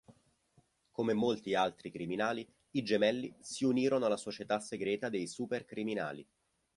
Come molti altri criminali, i Gemelli si unirono alla Società segreta dei supercriminali.